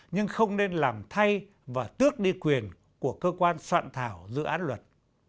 nhưng không nên làm thay và tước đi quyền của cơ quan soạn thảo dự án luật